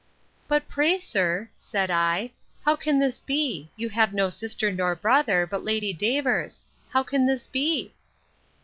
But pray, sir, said I, how can this be?—You have no sister nor brother, but Lady Davers.—How can this be?